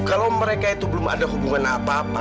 kalau mereka itu belum ada hubungan apa apa